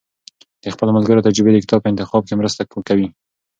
د خپلو ملګرو تجربې د کتاب په انتخاب کې مرسته کوي.